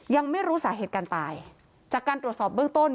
ยังไม่รู้สาเหตุการตายจากการตรวจสอบเบื้องต้น